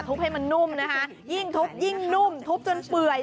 ให้มันนุ่มนะคะยิ่งทุบยิ่งนุ่มทุบจนเปื่อย